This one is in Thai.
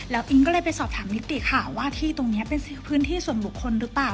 อิ๊งก็เลยไปสอบถามนิติค่ะว่าที่ตรงนี้เป็นพื้นที่ส่วนบุคคลหรือเปล่า